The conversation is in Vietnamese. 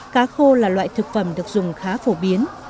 cá khô là loại thực phẩm được dùng khá phổ biến